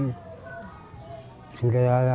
masuk ke agama lain